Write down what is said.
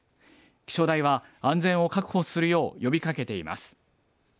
気象台は、安全を確保するよう呼びかけています。